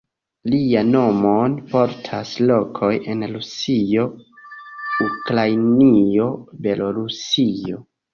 Lian nomon portas lokoj en Rusio, Ukrainio, Belorusio.